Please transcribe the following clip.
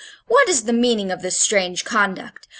What is the meaning of this strange conduct?